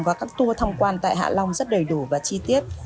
và các tour thăm quan tại hạ long rất đầy đủ và chi tiết